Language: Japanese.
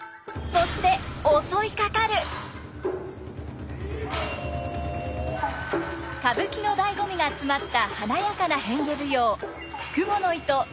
そして歌舞伎の醍醐味が詰まった華やかな変化舞踊